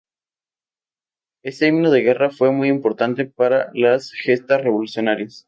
Este himno de guerra fue muy importante para las gestas revolucionarias.